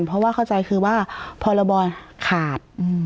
เพราะว่าเข้าใจคือว่าพรบขาด